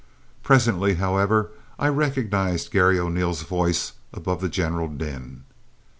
Presently however, I recognised Garry O'Neil's voice above the general din.